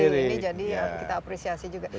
jadi ini jadi yang kita apresiasi juga